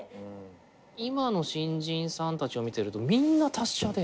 今の新人さんたちを見てるとみんな達者で。